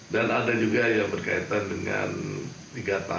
dan ada juga yang berkaitan dengan tiga tahun hari kerja ke depan